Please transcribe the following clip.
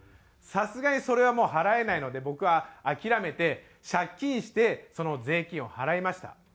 さすがにそれはもう払えないので僕は諦めて借金してその税金を払いました。